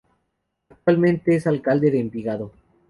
Actualmente es Alcalde de Envigado.